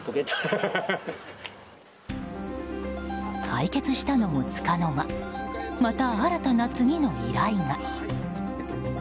解決したのもつかの間また新たな次の依頼が。